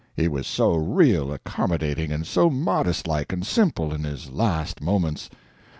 He was so real accommodating, and so modest like and simple in his last moments.